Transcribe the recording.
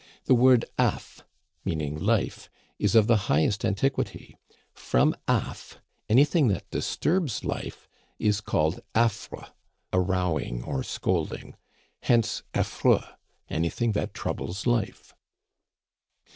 The word affe, meaning life, is of the highest antiquity. From affe anything that disturbs life is called affres (a rowing or scolding), hence affreux, anything that troubles life.